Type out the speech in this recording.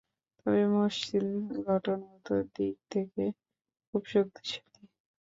তবে মসজিদ গঠনগত দিক থেকে খুব শক্তিশালী।